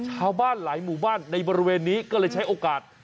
ชาวบ้านหลายหมู่บ้านในบริเวณนี้ก็เลยใช้โอกาส